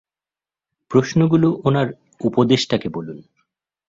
প্রশ্নগুলো ওনার উপদেষ্টাকে বলুন।